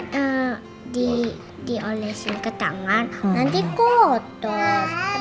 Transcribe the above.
nanti dia diolesin ke tangan nanti kotor